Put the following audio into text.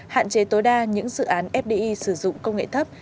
hạn chế tối đa những dự án fdi sử dụng công nghệ thấp